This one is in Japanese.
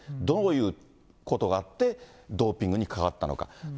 どういうことがあって、ドーピングに関わったのか。